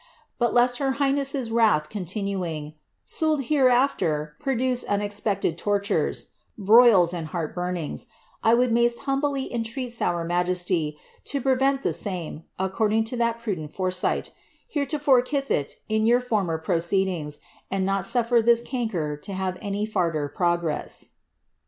But lest her highness' wrath continuing, suld hereafUr produce unex pectit torturtt (^broiU and hiart'bunnngt)^ I would maist humblie entreat zour m^esty to prevent the same, according to that prudent foresight, heretofore kftket in your former proceedings, and not suffer this canker to have any fiirder progress."